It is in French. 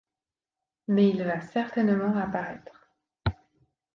Mais il va certainement apparaître.